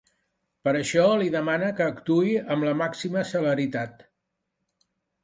Per això li demana que actuï amb la ‘màxima celeritat’.